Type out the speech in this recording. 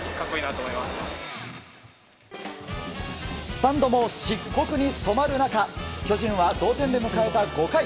スタンドも漆黒に染まる中巨人は同点で迎えた５回。